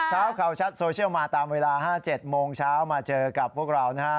เช้าข่าวชัดโซเชียลมาตามเวลา๕๗โมงเช้ามาเจอกับพวกเรานะฮะ